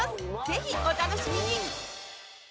ぜひお楽しみに！